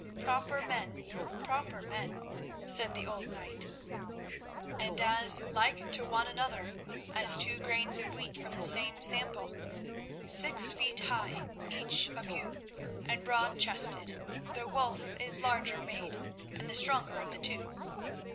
"Proper men; proper men," said the old knight; "and as like to one another as two grains of wheat from the same sample. Six feet high, each of you, and broad chested, though Wulf is larger made and the stronger of the two.